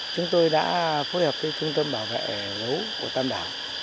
chúng tôi đã phối hợp với trung tâm bảo vệ gấu của tam đảo